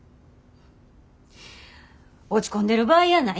落ち込んでる場合やないで。